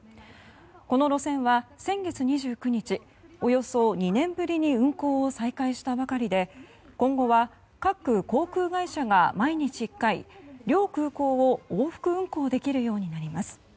この路線は、先月２９日およそ２年ぶりに運航を再開したばかりで今後は、各航空会社が毎日１回両空港を往復運航できるようになります。